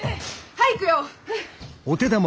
はい行くよ！